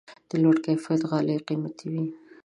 د لوړ کیفیت غالۍ قیمتي وي.